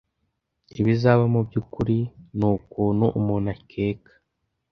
Ibizaba mubyukuri nukuntu umuntu akeka.